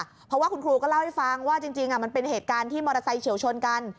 เพราะว่าคุณครูก็เล่าให้ฟังว่าจริงมันเป็นเหตุการณ์ที่มอเตอร์ไซค์เฉียวชนกัน